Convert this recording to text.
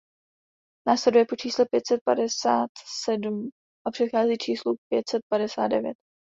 Následuje po čísle pět set padesát sedm a předchází číslu pět set padesát devět.